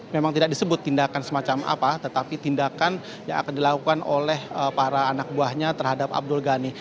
memang tidak disebut tindakan semacam apa tetapi tindakan yang akan dilakukan oleh para anak buahnya terhadap abdul ghani